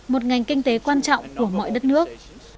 một ngành kinh tế quan trọng của mọi đất nước